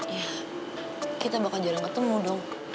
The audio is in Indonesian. iya kita bakal jarang ketemu dong